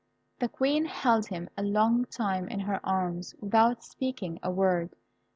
The Queen held him a long time in her arms, without speaking a word.